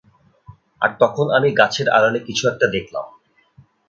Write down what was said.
আর তখন আমি গাছের আড়ালে কিছু একটা দেখলাম।